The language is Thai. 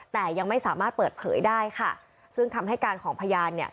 แต่ยังไม่สามารถเปิดเผยได้ค่ะซึ่งคำให้การของพยานเนี่ย